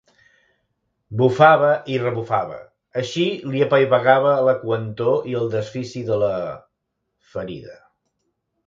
Bufava i rebufava, així li apaivagava la coentor i el desfici de la... ferida.